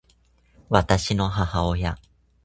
私の母親